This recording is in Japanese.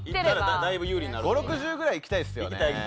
５０６０ぐらいいきたいですけどね。